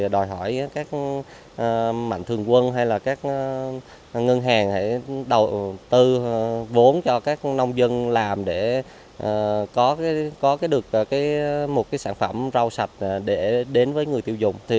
đòi hỏi các mạnh thường quân hay là các ngân hàng phải đầu tư vốn cho các nông dân làm để có được một sản phẩm rau sạch để đến với người tiêu dùng